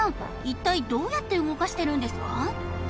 一体どうやって動かしてるんですか？